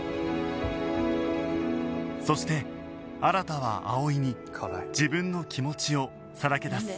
そして新は葵に自分の気持ちをさらけ出す